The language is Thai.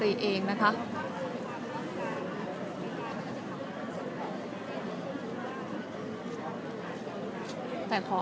และที่อยู่ด้านหลังคุณยิ่งรักนะคะก็คือนางสาวคัตยาสวัสดีผลนะคะ